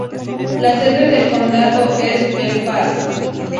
La sede del condado es Belfast.